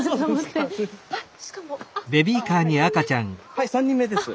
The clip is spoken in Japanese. はい３人目です。